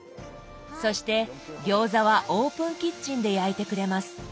そして餃子はオープンキッチンで焼いてくれます。